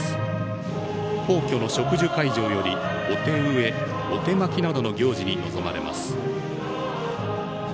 皇居の植樹会場よりお手植えお手播きなどの行事に臨まれます。